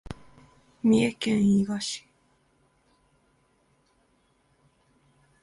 三重県伊賀市